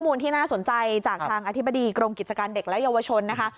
มูลที่น่าสนใจจากทางอธิบดีกรมกิจการเด็กและเยาวชนนะคะ